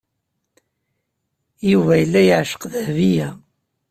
Yuba yella yeɛceq Dahbiya.